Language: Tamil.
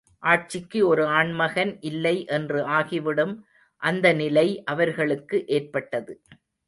ஆட்சிக்கு ஒரு ஆண்மகன் இல்லை என்று ஆகிவிடும் அந்த நிலை அவர்களுக்கு ஏற்பட்டது.